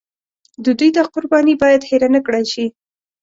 د دوی دا قرباني باید هېره نکړای شي.